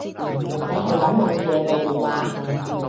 你係噉望住你部電話